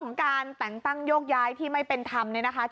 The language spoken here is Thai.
ของการแต่งตั้งโยกย้ายที่ไม่เป็นธรรมเนี่ยนะคะ